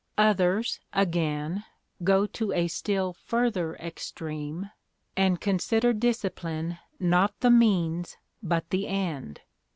Others, again, go to a still further extreme, and consider discipline not the means but the end.